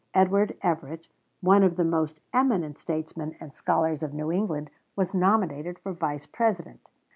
Edward Everett, one of the most eminent statesmen and scholars of New England, was nominated for Vice President.